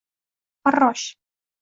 Farrosh